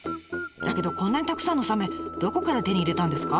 だけどこんなにたくさんのサメどこから手に入れたんですか？